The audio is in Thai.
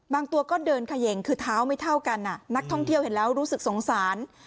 ตัวก็เดินเขย่งคือเท้าไม่เท่ากันนักท่องเที่ยวเห็นแล้วรู้สึกสงสาร